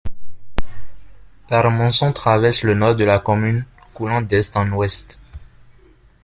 L'Armançon traverse le nord de la commune, coulant d'est en ouest.